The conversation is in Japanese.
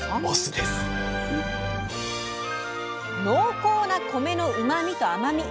濃厚な米のうまみと甘み。